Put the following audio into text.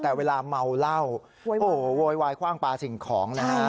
แต่เวลาเมาเหล้าโอ้โหโวยวายคว่างปลาสิ่งของนะฮะ